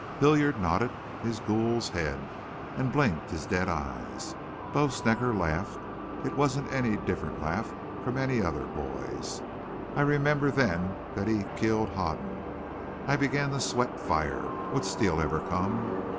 "Hilliard nodded his ghoul's head and blinked his dead eyes. Bo Snecker laughed. It wasn't any different laugh from any other boy's. I remembered then that he killed Hoden. I began to sweat fire. Would Steele ever come?